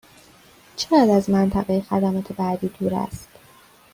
چقدر از منطقه خدمات بعدی دور است؟